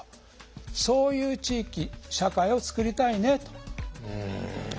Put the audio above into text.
そういう地域社会を作りたいねと。